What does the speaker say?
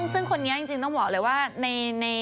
ซึ่งคนนี้จริงต้องบอกเลยว่า